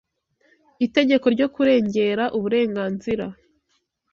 itegeko ryo kurengera uburenganzira